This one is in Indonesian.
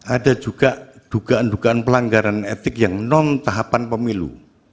ada juga dugaan dugaan pelanggaran etik yang non tahapan pemilu